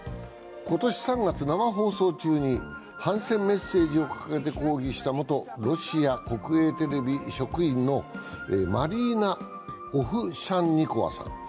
今年３月、生放送中に反戦メッセージを掲げて抗議した抗議した元ロシア国営テレビ職員のマリーナ・オフシャンニコワさん。